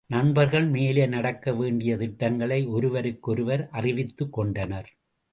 நண்பர்கள் மேலே நடக்க வேண்டிய திட்டங்களை ஒருவருக்கொருவர் அறிவித்துக் கொண்டனர்.